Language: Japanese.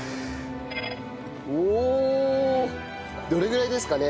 おお！どれぐらいですかね？